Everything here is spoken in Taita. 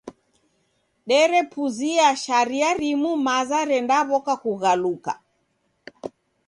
Derepuzia sharia rimu maza rendaw'oka kughaluka.